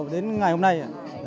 đến ngày hôm nay